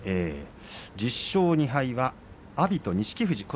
１０勝２敗は阿炎と錦富士です。